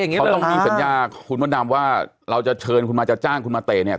เขาต้องมีสัญญาคุณมดดำว่าเราจะเชิญคุณมาจะจ้างคุณมาเตะเนี่ย